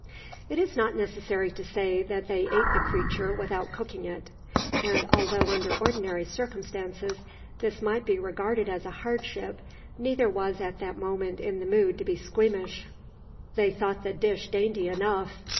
It is not necessary to say that they ate the creature without cooking it; and although under ordinary circumstances this might be regarded as a hardship, neither was at that moment in the mood to be squeamish. They thought the dish dainty enough.